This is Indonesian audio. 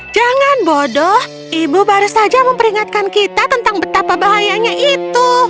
jangan bodoh ibu baru saja memperingatkan kita tentang betapa bahayanya itu